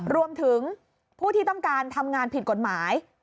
รวมถึงผู้ที่ต้องการทำงานผิดกฎหมาย